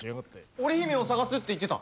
織姫を探すって言ってた！